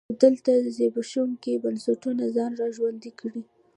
خو دلته زبېښونکي بنسټونو ځان را ژوندی کړ.